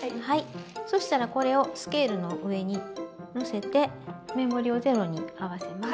そしたらこれをスケールの上に載せてメモリをゼロに合わせます。